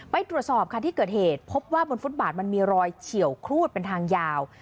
ไปตรวจสอบค่ะที่เกิดเหตุพบว่าบนฟุตบาทมันมีรอยเฉียวครูดเป็นทางยาว